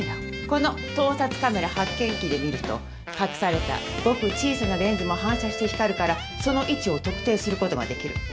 この盗撮カメラ発見器で見ると隠されたごく小さなレンズも反射して光るからその位置を特定することができる。